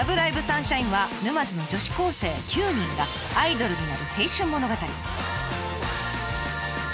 サンシャイン！！」は沼津の女子高生９人がアイドルになる青春物語。